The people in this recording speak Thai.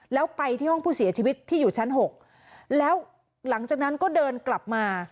แล้วไปที่ห้องผู้เสียชีวิตที่อยู่ชั้น๖แล้วหลังจากนั้นก็เดินกลับมา